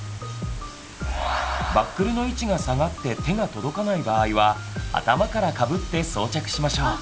バックルの位置が下がって手が届かない場合は頭からかぶって装着しましょう。